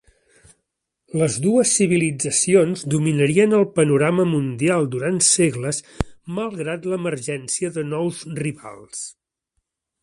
Les dues civilitzacions dominarien el panorama mundial durant segles, malgrat l'emergència de nous rivals.